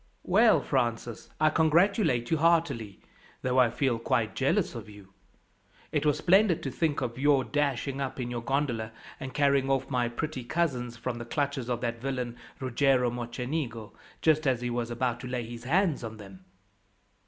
"Well, Francis, I congratulate you heartily, though I feel quite jealous of you. It was splendid to think of your dashing up in your gondola, and carrying off my pretty cousins from the clutches of that villain, Ruggiero Mocenigo, just as he was about to lay his hands on them."